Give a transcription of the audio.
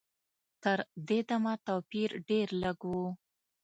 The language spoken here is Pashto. تر دې دمه توپیر ډېر لږ و.